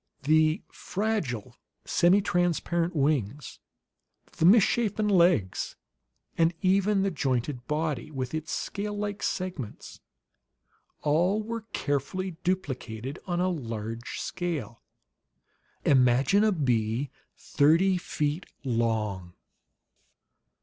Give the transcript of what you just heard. The fragile semitransparent wings, the misshapen legs, and even the jointed body with its scale like segments, all were carefully duplicated on a large scale. Imagine a bee thirty feet long!